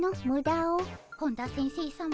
本田先生さま